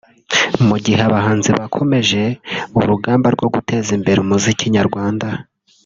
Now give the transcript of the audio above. Mu gihe abahanzi bakomeje urugamba rwo guteza imbere umuziki nyarwanda